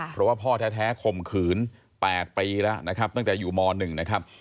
เพราะว่าพ่อแท้ข่มขืน๘ปีแล้วนะครับตั้งแต่อยู่ม๑นะครับ